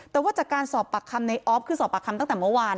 แต่ว่าจากการสอบปากคำในออฟคือสอบปากคำตั้งแต่เมื่อวาน